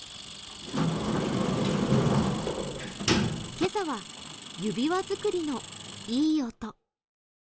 今朝は指輪作りのいい音。